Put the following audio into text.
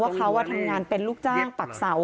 เขาทำงานเป็นลูกจ้างปักเสา